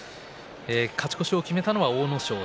勝ち越しを決めた阿武咲。